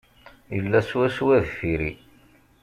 Yella swaswa deffir-i.